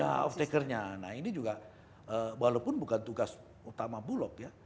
ya off takernya nah ini juga walaupun bukan tugas utama bulog ya